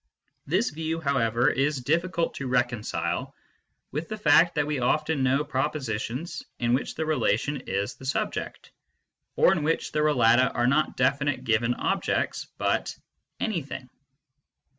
This view, how ever, is difficult to reconcile with the fact that we often know propositions in which the relation is the subject, or in which the relata are not definite given objects, but " anything."